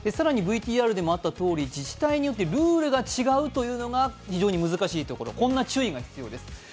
ＶＴＲでもあったとおり、自治体によってルールが違うというのが非常に難しいところこんな注意が必要です。